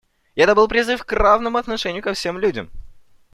И это был призыв к равному отношению ко всем людям.